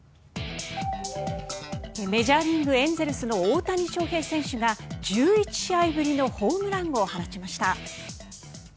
メジャーリーグエンゼルスの大谷翔平選手が１１試合ぶりのホームランを放ちました。